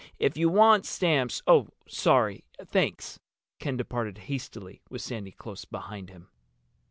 If you want stamps—" "Oh, sorry. Thanks." Ken departed hastily, with Sandy close behind him.